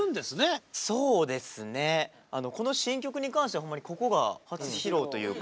そうですねこの新曲に関してはほんまにここが初披露というか。